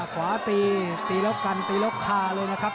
ขวาตีตีรกกันตีรกฆ่าเลยนะครับ